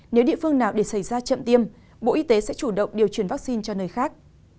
nếu địa phương nào để xảy ra chậm tiêm bộ y tế sẽ chủ động điều chuyển vaccine cho nơi khác